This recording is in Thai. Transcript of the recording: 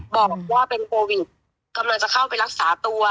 บอกว่าเป็นโควิดกำลังจะเข้าไปรักษาตัว